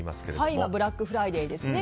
今ブラックフライデーですね。